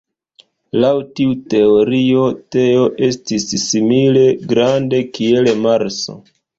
Laŭ tiu teorio Tejo estis simile grande kiel Marso.